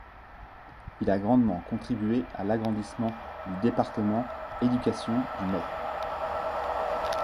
Il a grandement contribué à l'agrandissement du département éducation du Met.